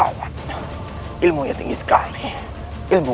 kau tak akan menangkap abikara